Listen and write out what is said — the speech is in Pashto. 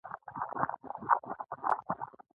کرنه د اقتصاد د ثبات لپاره اساسي رول لري.